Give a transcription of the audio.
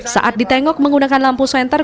saat ditengok menggunakan lampu senter